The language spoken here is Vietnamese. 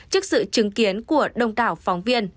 trước sự chứng kiến của đông tảo phóng viên